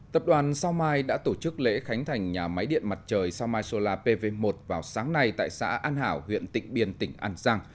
tập đoàn sao mai đã tổ chức lễ khánh thành nhà máy điện mặt trời sao mai solar pv một vào sáng nay tại xã an hảo huyện tịnh biên tỉnh an giang